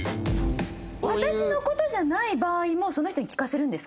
私の事じゃない場合もその人に聴かせるんですか？